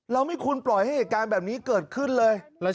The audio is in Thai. เราไม่ควรปล่อยให้แบบนี้เกิดขึ้นเลย